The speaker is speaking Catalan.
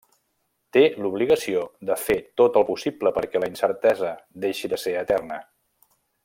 Té l'obligació de fer tot el possible perquè la incertesa deixi de ser eterna.